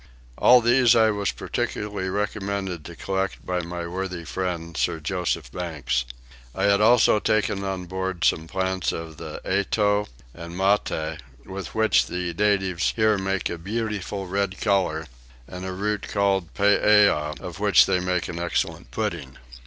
All these I was particularly recommended to collect by my worthy friend, Sir Joseph Banks. I had also taken on board some plants of the ettow and matte, with which the natives here make a beautiful red colour; and a root called peeah, of which they make an excellent pudding.